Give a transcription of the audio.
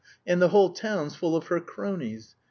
And the whole town's full of her cronies!